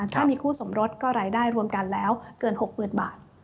ถ้ามีคู่สมรสก็รายได้รวมกันแล้วเกิน๖๐๐๐บาท